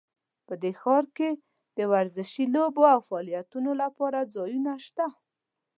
په دې ښار کې د ورزشي لوبو او فعالیتونو لپاره ځایونه شته